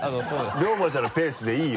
遼馬ちゃんのペースでいいよ。